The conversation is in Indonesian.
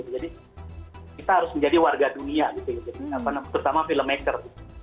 jadi kita harus menjadi warga dunia gitu terutama filmmaker